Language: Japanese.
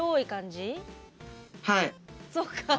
はい。